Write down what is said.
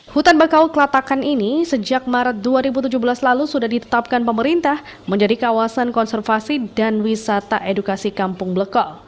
hutan bakau kelatakan ini sejak maret dua ribu tujuh belas lalu sudah ditetapkan pemerintah menjadi kawasan konservasi dan wisata edukasi kampung bleko